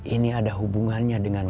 ini ada hubungannya dengan